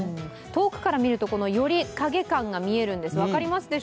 遠くから見ると、より影感が見えるんですけど、分かりますか？